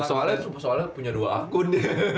soalnya soalnya punya dua akun